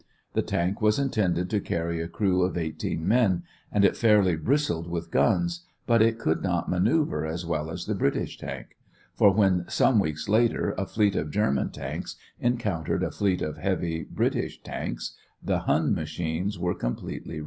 The tank was intended to carry a crew of eighteen men and it fairly bristled with guns, but it could not manoeuver as well as the British tank; for when some weeks later a fleet of German tanks encountered a fleet of heavy British tanks, the Hun machines were completely routed.